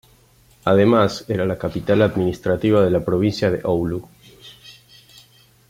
Además, era la capital administrativa de la Provincia de Oulu.